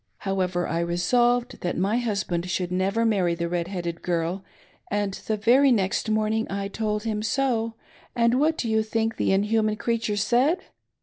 However, I resolved that my husband should never marry the red headed girl, and the very next morning I told him so, and what do you think the inhuman creature said?